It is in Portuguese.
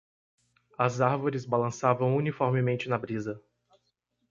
As árvores balançavam uniformemente na brisa.